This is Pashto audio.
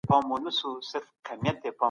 غیرت د پلار او نیکه پاته سوی میراث دی.